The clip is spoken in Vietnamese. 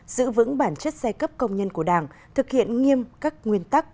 giữ vững bản chất giai cấp công nhân của đảng thực hiện nghiêm các nguyên tắc